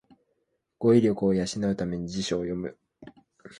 語彙力を養うために辞書を読む